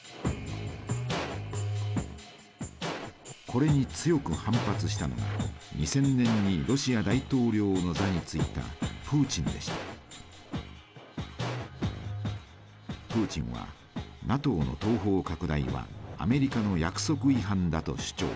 これに強く反発したのが２０００年にロシア大統領の座に就いたプーチンはＮＡＴＯの東方拡大はアメリカの約束違反だと主張。